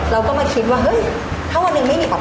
เราก็มาคิดว่าถ้าวันนึงไม่มีป๊า